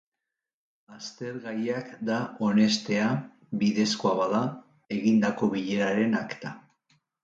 Aztergaiak da onestea, bidezkoa bada, egindako bileraren akta.